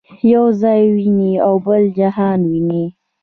یو ځان ویني او بل جهان ویني.